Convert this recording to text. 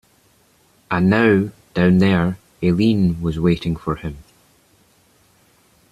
And now, down there, Eileen was waiting for him.